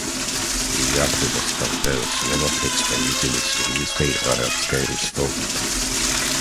Я предоставляю слово представителю Сирийской Арабской Республики.